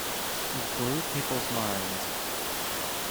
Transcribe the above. It blew people's minds.